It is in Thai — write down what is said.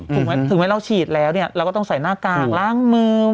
ถึงแม้เราฉีดแล้วเนี่ยเราก็ต้องใส่หน้ากากล้างมือ